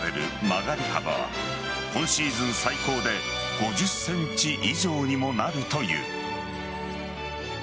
曲がり幅は今シーズン最高で５０ｃｍ以上にもなるという。